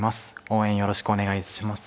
応援よろしくお願いします。